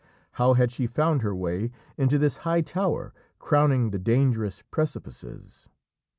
How had she found her way into this high tower crowning the dangerous precipices?